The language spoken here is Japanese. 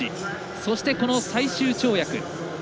そして、この最終跳躍。